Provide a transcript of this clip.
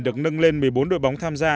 được nâng lên một mươi bốn đội bóng tham gia